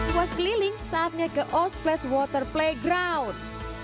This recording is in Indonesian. puas keliling saatnya ke oast place water playground